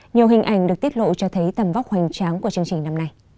nhiều hình ảnh được tiết lộ cho thấy tầm vóc hoành tráng của chương trình năm nay